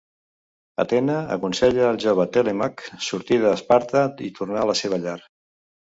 Atena aconsella el jove Telèmac sortir d'Esparta i tornar a la seva llar.